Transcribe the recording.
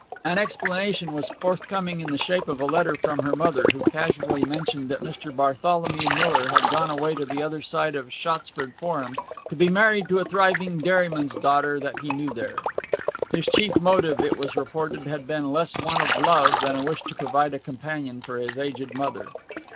An explanation was forthcoming in the shape of a letter from her mother, who casually mentioned that Mr. Bartholomew Miller had gone away to the other side of Shottsford Forum to be married to a thriving dairyman's daughter that he knew there. His chief motive, it was reported, had been less one of love than a wish to provide a companion for his aged mother.